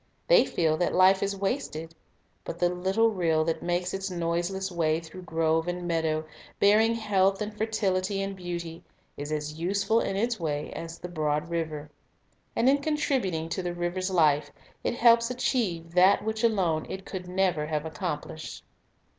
They feel that life is wasted. But the little rill that makes its noiseless way through grove and meadow, bearing health and fertility and beauty, is as useful in its way as the broad river. And in contributing to the river's life, it helps achieve that which alone it could never have accomplished.